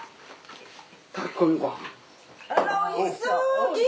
あらおいしそう！